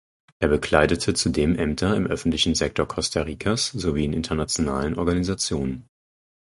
Er bekleidete zudem Ämter im öffentlichen Sektor Costa Ricas sowie in internationalen Organisationen.